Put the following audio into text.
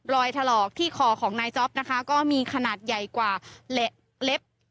ถลอกที่คอของนายจ๊อปนะคะก็มีขนาดใหญ่กว่าเล็บ